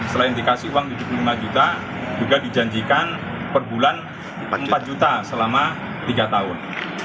selain dikasih uang tujuh puluh lima juta juga dijanjikan per bulan empat juta selama tiga tahun